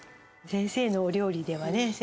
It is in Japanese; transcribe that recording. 先生のお料理ではね